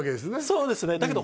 そうですねだけど